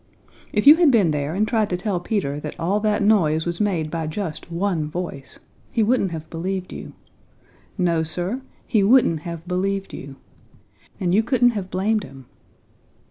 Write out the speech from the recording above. If you had been there and tried to tell Peter that all that noise was made by just one voice, he wouldn't have believed you. No, Sir, he wouldn't have believed you. And you couldn't have blamed him.